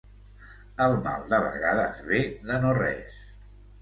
El mal de vegades ve de no res.